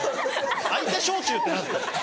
「開いた焼酎」って何ですか。